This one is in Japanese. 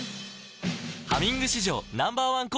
「ハミング」史上Ｎｏ．１抗菌